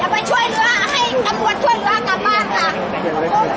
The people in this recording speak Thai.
อาหรับเชี่ยวจามันไม่มีควรหยุด